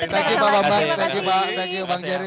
terima kasih pak bang jerry